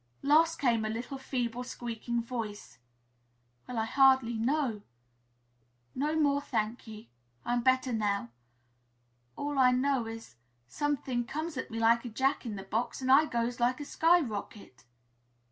Last came a little feeble, squeaking voice, "Well, I hardly know No more, thank ye. I'm better now all I know is, something comes at me like a Jack in the box and up I goes like a sky rocket!"